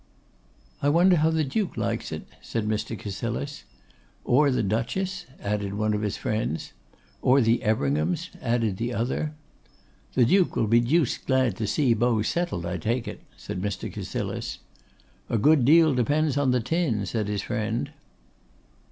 'I wonder how the Duke likes it?' said Mr. Cassilis. 'Or the Duchess?' added one of his friends. 'Or the Everinghams?' added the other. 'The Duke will be deuced glad to see Beau settled, I take it,' said Mr. Cassilis. 'A good deal depends on the tin,' said his friend.